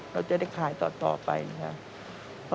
เราจะได้ขายต่อไปนะครับ